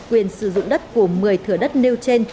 quyền sử dụng đất của một mươi thửa đất nêu trên